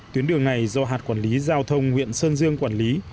tuyến đường này do hạt quản lý giao thông huyện sơn dương quản lý